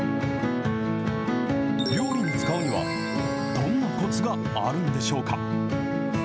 料理に使うにはどんなこつがあるんでしょうか。